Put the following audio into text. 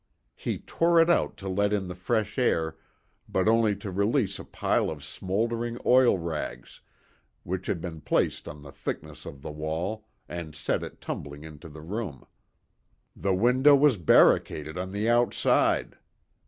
He tore it out to let in the fresh air, but only to release a pile of smouldering oil rags, which had been placed on the thickness of the wall, and set it tumbling into the room. The window was barricaded on the outside!